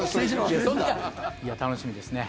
楽しみです。